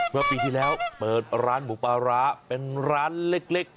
เมื่อปีที่แล้วเปิดร้านหมูปลาร้าเป็นร้านเล็ก